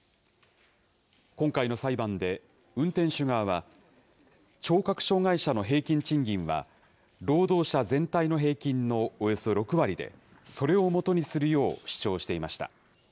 今回の裁判で、運転手側は、聴覚障害者の平均賃金は、労働者全体の平均のおよそ６割で、それをもとにするよう主張していました。